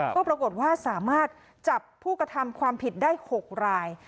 ก็ปรากฏว่าสามารถจับผู้กระทำความผิดได้๖ราย